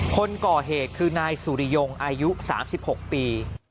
คนก่อเหตุคือนายสุริยงอายุ๓๖ปี